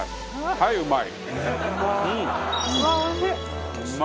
はい、うまい！